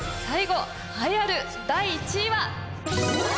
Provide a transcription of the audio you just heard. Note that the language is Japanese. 最後栄えある第１位は。